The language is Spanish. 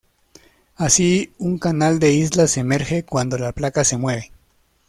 Así un canal de islas emerge cuando la placa se mueve.